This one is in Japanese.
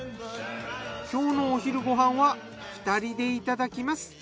今日のお昼ご飯は２人でいただきます。